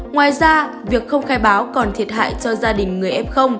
ngoài ra việc không khai báo còn thiệt hại cho gia đình người f